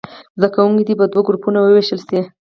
زده کوونکي دې په دوو ګروپونو ووېشل شي.